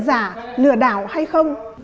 giả lừa đảo hay không